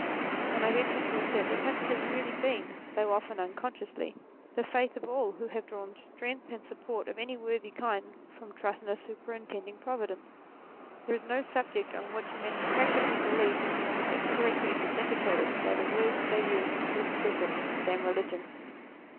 And I venture to assert that such has really been, though often unconsciously, the faith of all who have drawn strength and support of any worthy kind from trust in a super intending Providence. There is no subject on which men's practical belief is more incorrectly indicated by the words they use to express it, than religion.